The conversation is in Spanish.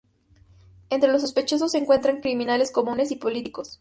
Entre los sospechosos se encuentran criminales comunes y políticos.